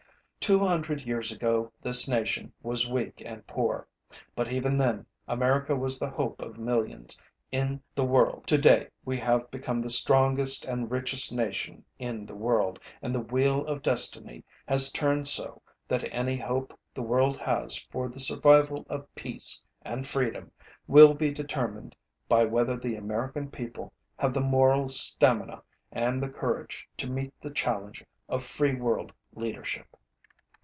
Two hundred years ago this nation was weak and poor. But even then, America was the hope of millions in the world. Today we have become the strongest and richest nation in the world, and the wheel of destiny has turned so that any hope the world has for the survival of peace and freedom will be determined by whether the American people have the moral stamina and the courage to meet the challenge of free world leadership.